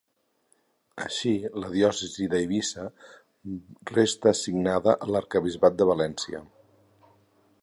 Així, la diòcesi d'Eivissa restà assignada a l'arquebisbat de València.